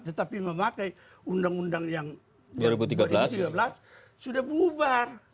tetapi memakai undang undang yang dua ribu tiga belas sudah bubar